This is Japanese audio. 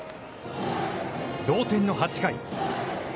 同点の８回。